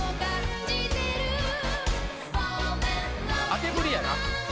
「当て振りやな」